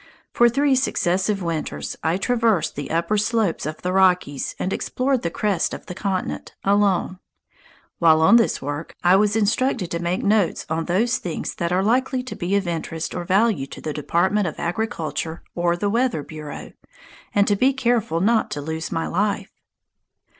For three successive winters I traversed the upper slopes of the Rockies and explored the crest of the continent, alone. While on this work, I was instructed to make notes on "those things that are likely to be of interest or value to the Department of Agriculture or the Weather Bureau," and to be careful not to lose my life.